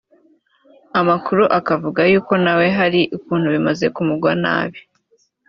Amakuru akavuga yuko nawe hari ukuntu bimaze kumugwa nabi